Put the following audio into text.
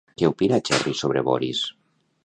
Què opina Cherry sobre Boris?